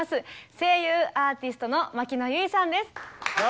声優アーティストの牧野由依さんです。